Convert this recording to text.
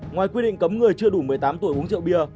ngoài quy định cấm người chưa đủ một mươi tám tuổi uống rượu bia